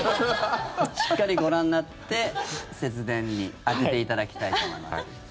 しっかりご覧になって節電に充てていただきたいと思います。